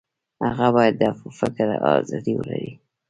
هغه باید د فکر ازادي ولري.